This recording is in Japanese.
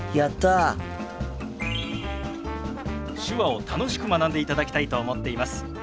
手話を楽しく学んでいただきたいと思っています。